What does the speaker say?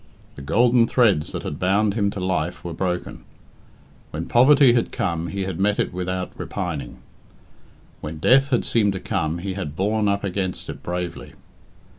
The golden threads that had bound him to life were broken. When poverty had come, he had met it without repining; when death had seemed to come, he had borne up against it bravely.